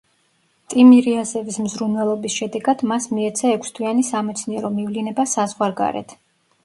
ტიმირიაზევის მზრუნველობის შედეგად მას მიეცა ექვსთვიანი სამეცნიერო მივლინება საზღვარგარეთ.